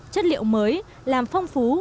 chất liệu mới làm phong phú